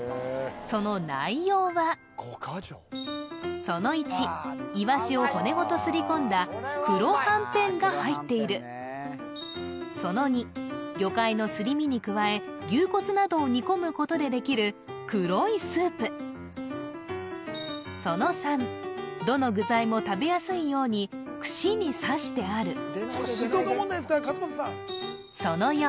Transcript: その内容はその１イワシを骨ごとすり込んだ黒はんぺんが入っているその２魚介のすり身に加え牛骨などを煮込むことでできる黒いスープその３どの具材も食べやすいように串に刺してあるその４